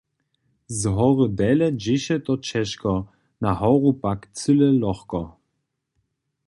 Z hory dele dźěše to ćežko, na horu pak cyle lochko.